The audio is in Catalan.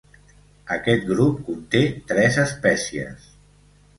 Aquest grup conté tres espècies.